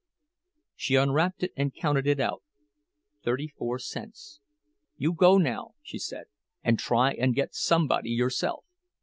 She unwrapped it and counted it out—thirty four cents. "You go, now," she said, "and try and get somebody yourself.